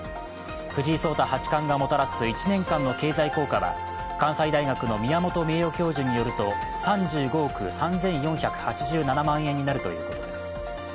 藤井聡太八冠がもたらす１年間の経済効果は関西大学の宮本名誉教授によると３５億３４８７万円になるということです。